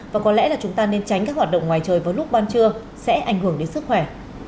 và có lẽ là chúng ta nên tránh các hoạt động ngoài trời vào lúc ban trưa sẽ ảnh hưởng đến sức khỏe